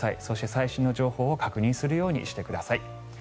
そして、最新の情報を確認するようにしてください。